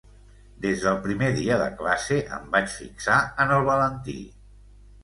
Des del primer dia de classe em vaig fixar en el Valentí.